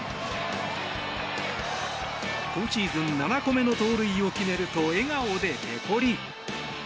今シーズン７個目の盗塁を決めると笑顔でペコリ。